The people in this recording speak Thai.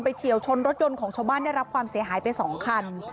เฉียวชนรถยนต์ของชาวบ้านได้รับความเสียหายไป๒คัน